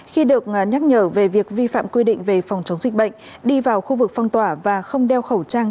khi được nhắc nhở về việc vi phạm quy định về phòng chống dịch bệnh đi vào khu vực phong tỏa và không đeo khẩu trang